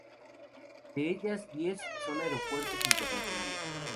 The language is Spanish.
De ellas, diez son aeropuertos internacionales.